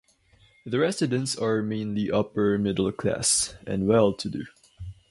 The residents are mainly upper middle class and well to do.